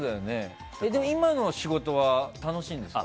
でも、今の仕事は楽しいんですか？